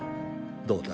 どうだ？